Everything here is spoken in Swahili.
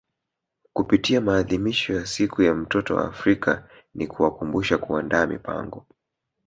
Kupitia maadhimisho ya siku ya mtoto wa Afrika ni kuwakumbusha kuandaa mipango